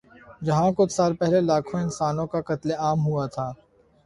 جہاں کچھ سال پہلے لاکھوں انسانوں کا قتل عام ہوا تھا۔